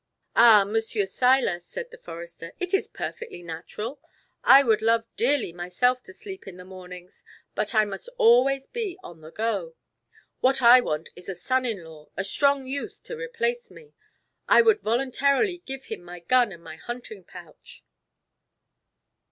"Ah, Monsieur Seiler," said the forester, "it is perfectly natural; I would love dearly myself to sleep in the mornings, but I must always be on the go. What I want is a son in law, a strong youth to replace me; I would voluntarily give him my gun and my hunting pouch."